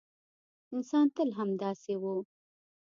انسان تل همداسې و.